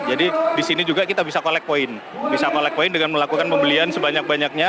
jadi di sini juga kita bisa collect poin bisa collect poin dengan melakukan pembelian sebanyak banyaknya